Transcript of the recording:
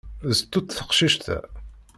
D sstut teqcict-a!